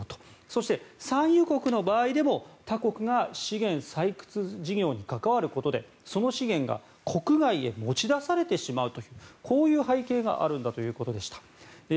そして、産油国の場合でも他国が資源採掘事業に関わることでその資源が国外へ持ち出されてしまうというこういう背景があるんだということでした。